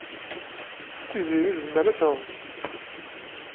Tiziri tezmer ad tɛum.